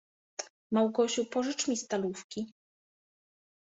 — Małgosiu, pożycz mi stalówki.